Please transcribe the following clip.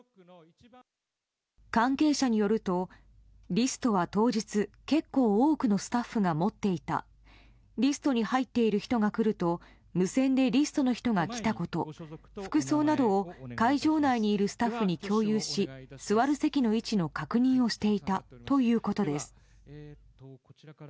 関係者によると、リストは当日結構多くのスタッフが持っていたリストに入っている人が来ると無線でリストの人が来たこと、服装などを会場内にいるスタッフに共有し、座る席の確認をしていたということです。